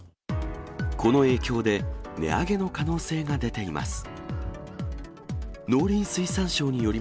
この影響で、値上げの可能性が出ています。